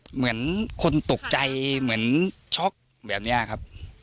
เหมือนคนตกใจเหมือนช็อกแบบนี้ครับ